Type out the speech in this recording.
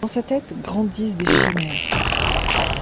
Dans sa tête grandissent des chimères.